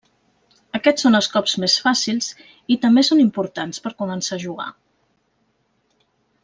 Aquests són els cops més fàcils i també són importants per començar a jugar.